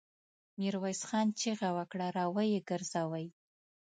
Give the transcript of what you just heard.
ميرويس خان چيغه کړه! را ويې ګرځوئ!